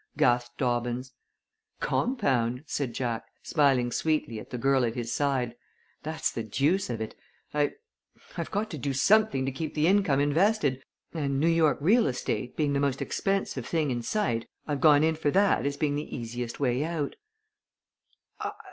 gasped Dobbins. "Compound," said Jack, smiling sweetly at the girl at his side. "That's the deuce of it. I I've got to do something to keep the income invested, and New York real estate, being the most expensive thing in sight, I've gone in for that as being the easiest way out."